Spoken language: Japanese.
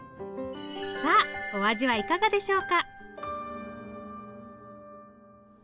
さあお味はいかがでしょうか？